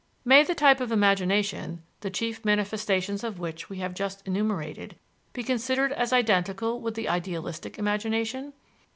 May the type of imagination, the chief manifestations of which we have just enumerated, be considered as identical with the idealistic imagination?